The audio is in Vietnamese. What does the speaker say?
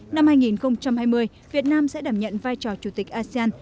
năm hai nghìn hai mươi việt nam sẽ đảm nhận vai trò chủ tịch asean